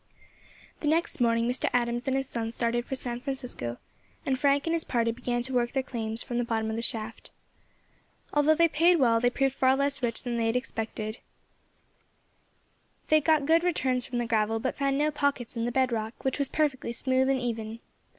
The next morning Mr. Adams and his son started for San Francisco, and Frank and his party began to work their claims from the bottom of the shaft. Although they paid well, they proved far less rich than they had expected; they got good returns from the gravel, but found no pockets in the bed rock, which was perfectly smooth and even.